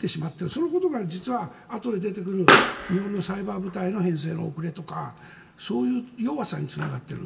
そのことが実はあとで出てくる日本のサイバー部隊の編成の遅れとかそういう弱さにつながっている。